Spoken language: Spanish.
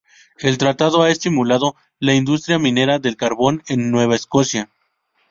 El tratado ha estimulado la industria minera del carbón en el Nueva Escocia.